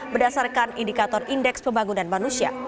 berdasarkan indikator indeks pembangunan manusia